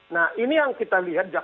nah ini yang kita lihat